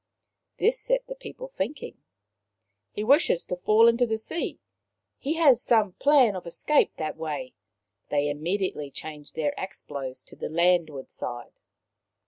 This set the people thinking, " He wishes to fall into the sea. He has some plan of escape that way." They immediately changed their axe blows to the landward side.